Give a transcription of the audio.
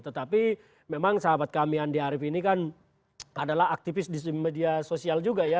tetapi memang sahabat kami andi arief ini kan adalah aktivis di media sosial juga ya